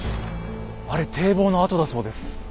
あれ堤防の跡だそうです。